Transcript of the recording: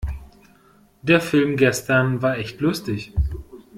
Der Film gestern war echt lustig.